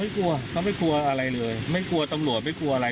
กลัวเขาไม่กลัวอะไรเลยไม่กลัวตำรวจไม่กลัวอะไร